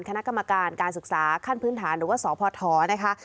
คณะกรรมการการศึกษาขั้นพื้นฐานหรือว่าสพนะคะ